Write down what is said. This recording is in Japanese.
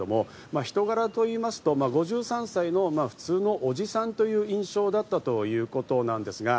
人柄といいますと、５３歳の普通のおじさんという印象だったということです。